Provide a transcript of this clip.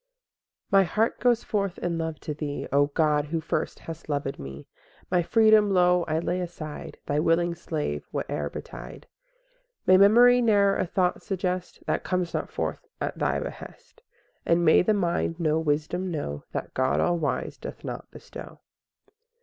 I My heart goes forth in love to Thee, O God, who first hast lovèd me; My freedom, lo, I lay aside, Thy willing slave whate'er betide. II May memory ne'er a thought suggest, That comes not forth at Thy behest; And may the mind no wisdom know, That God all wise doth not bestow.